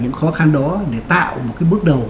những khó khăn đó để tạo một cái bước đầu